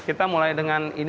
kita mulai dengan ini